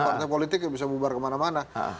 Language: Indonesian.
karena partai politik bisa bubar kemana mana